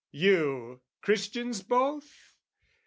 You, Christians both?